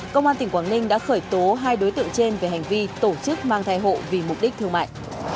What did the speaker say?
công an tỉnh quảng ninh đã khởi tố hai đối tượng trên về hành vi tổ chức mang thai hộ vì mục đích thương mại